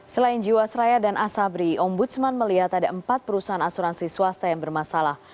selain jiwasraya dan asabri ombudsman melihat ada empat perusahaan asuransi swasta yang bermasalah